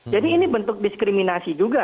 jadi ini bentuk diskriminasi juga